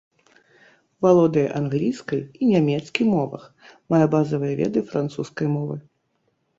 Валодае англійскай і нямецкі мовах, мае базавыя веды французскай мовы.